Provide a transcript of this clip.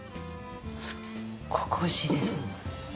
すっごくおいしいです。